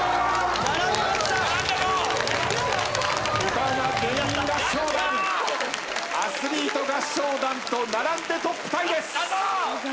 歌ウマ芸人合唱団アスリート合唱団と並んでトップタイです。